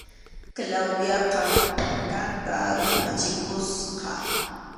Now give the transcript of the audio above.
Claudiaqa phakanta ruphachikusqa.